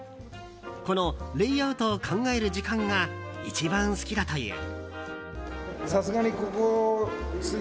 このレイアウトを考える時間が一番好きだという。